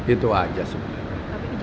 itu aja sebenarnya